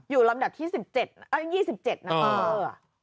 อยู่ลำดับที่สิบเจ็ดเอ้ยยี่สิบเจ็ดนะเออ